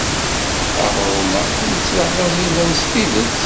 Aɣrum-a yettraḥ d aẓidan s tidet.